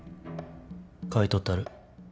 買い取ったる。